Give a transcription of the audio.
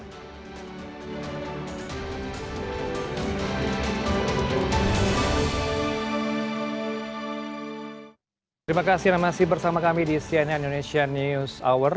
terima kasih anda masih bersama kami di cnn indonesia news hour